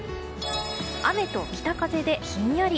雨と北風でひんやり。